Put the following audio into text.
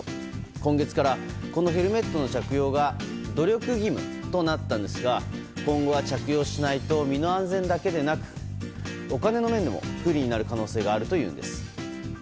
今月からこのヘルメットの着用が努力義務となったんですが今後は着用しないと身の安全だけでなくお金の面でも不利になる可能性があるというんです。